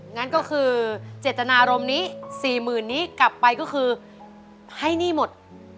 งั้นก็คือเจตนารมณ์นี้๔๐๐๐นี้กลับไปก็คือให้หนี้หมด